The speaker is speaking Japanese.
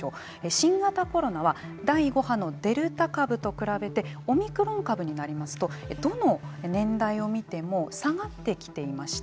新型コロナは第５波のデルタ株と比べてオミクロン株になりますとどの年代を見ても下がってきていまして